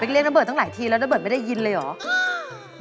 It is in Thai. เรียกนเบิร์ตั้งหลายทีแล้วระเบิดไม่ได้ยินเลยเหรอ